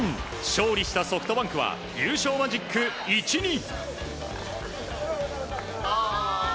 勝利したソフトバンクは優勝マジック１に。